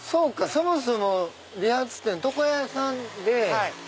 そもそも理髪店床屋さんで。